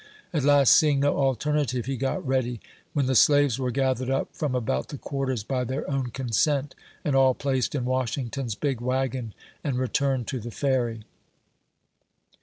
At last, seeing no alternative, he got ready, when the slaves were gathered up from about the quarters by their own consent, and all placed in Washington's big wagon and returned to the Ferry.